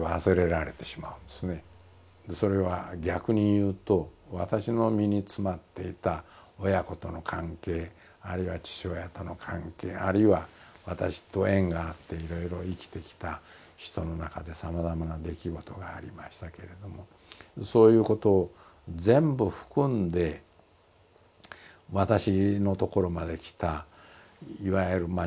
それは逆にいうと私の身に詰まっていた親子との関係あるいは父親との関係あるいは私と縁があっていろいろ生きてきた人の中でさまざまな出来事がありましたけれどもそういうことを全部含んで私のところまで来たいわゆるまあ